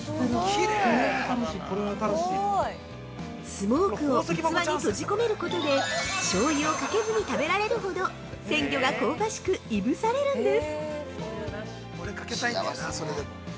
◆スモークを器に閉じ込めることでしょうゆをかけずに食べられるほど、鮮魚が香ばしくいぶされるんです。